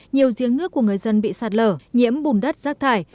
nhiều giếng nước của người dân bị sạt lở nhiễm bùn đất rác thải